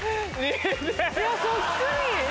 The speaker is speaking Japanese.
いやそっくり！